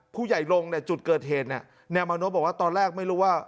ผู้ใหญ่ลงเนี่ยจุดเกิดเหตุเนี่ยนายมานพบอกว่าตอนแรกไม่รู้ว่า